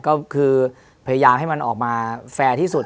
ก็คือพยายามให้มันออกมาแฟร์ที่สุด